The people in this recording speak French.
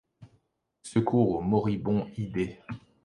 Secours au moribond id.